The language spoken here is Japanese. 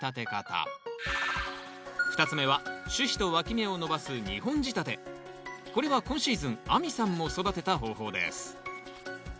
２つ目は主枝とわき芽を伸ばすこれは今シーズン亜美さんも育てた方法です。